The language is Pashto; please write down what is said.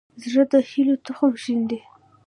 زړه د هيلو تخم شیندي.